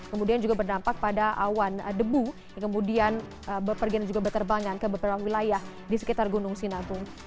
kemudian juga berdampak pada awan debu yang kemudian berpergian dan juga berterbangan ke beberapa wilayah di sekitar gunung sinabung